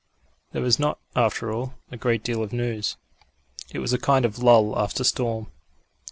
There was not, after all, a great deal of news. It was a kind of lull after storm.